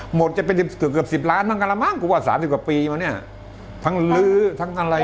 หมดจะเป็นเกือบ๑๐ล้านบาทบางปีมาเนี่ยทั้งลื้อทั้งอะไร